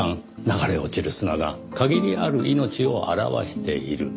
流れ落ちる砂が限りある命を表している。